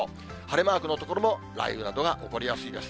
晴れマークの所も雷雨などが起こりやすいです。